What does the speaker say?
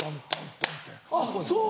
あっそう。